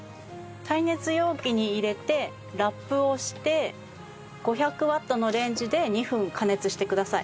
耐熱容器に入れてラップをして５００ワットのレンジで２分加熱してください。